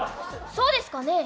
そうですかね。